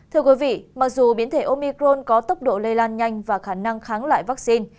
thưa quý vị mặc dù biến thể omicron có tốc độ lây lan nhanh và khả năng kháng lại vaccine